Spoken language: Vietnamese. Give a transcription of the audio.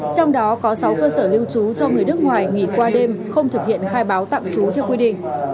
trong đó có sáu cơ sở lưu trú cho người nước ngoài nghỉ qua đêm không thực hiện khai báo tạm trú theo quy định